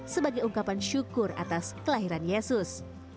sebagai ungkapan syukur atas kelahiran yesus